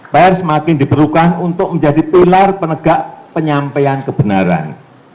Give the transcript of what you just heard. pers makin diperlukan untuk menjadi pilar penegak penyampaian kebenaran